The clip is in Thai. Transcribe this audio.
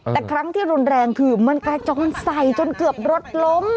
แต่ครั้งที่รุนแรงคือมันกระจองใส่จนเกือบรถล้ม